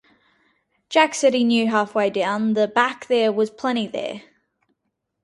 Jack said he knew halfway down the back there was plenty there.